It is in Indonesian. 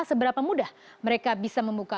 seberapa mudah mereka bisa membuka